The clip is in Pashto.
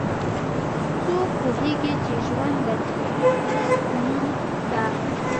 څوک پوهیږي چې ژوند د تیریدو نوم ده